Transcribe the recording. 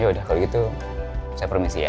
ya udah kalau gitu saya permisi ya